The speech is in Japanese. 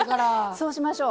そうしましょう。